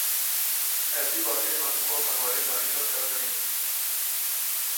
ایسی باتیں ہم اور ہمارے دانشور کر رہے ہیں۔